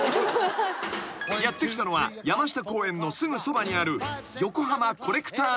［やって来たのは山下公園のすぐそばにある］